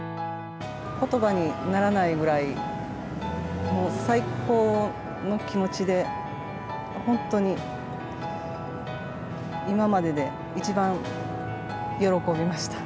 ことばにならないぐらいもう最高の気持ちで、本当に今までで一番喜びました。